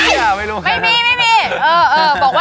เลื้อดลงไปแรงล่ะ